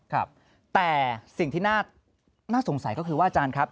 ครับแต่สิ่งที่น่าสงสัยก็คือว่าอาจารย์ครับ